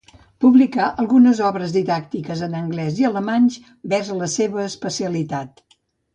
Publicà algunes obres didàctiques en anglès i alemany vers la seva especialitat.